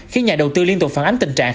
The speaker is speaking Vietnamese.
khiến nhà đầu tư liên tục phản ánh tình trạng